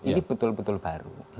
ini betul betul baru